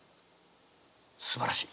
すばらしい。